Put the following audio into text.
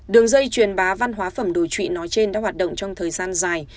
đường dây truyền bá văn hóa phẩm đối trị nói trên đã hoạt động trong thời gian dài